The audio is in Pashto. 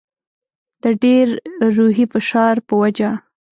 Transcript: د ډېر روحي فشار په وجه.